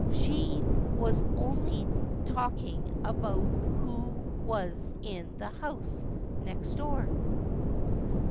She was only talking about who was in the house next door."